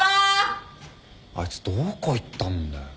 あいつどこ行ったんだよ。